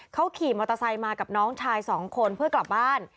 เขาขี่มอเตอร์ไซค์มากับน้องชายสองคนเพื่อกลับบ้าน